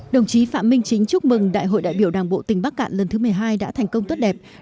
đồng chí phạm minh chính chúc mừng đại hội đại biểu đảng bộ tỉnh bắc cạn lần thứ một mươi hai đã thành công tốt đẹp